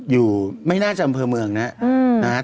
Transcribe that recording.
อยู่ไม่น่าจะอำเภอเมืองนะครับ